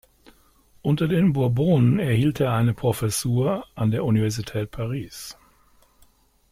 Unter den Bourbonen erhielt er eine Professur an der Universität Paris.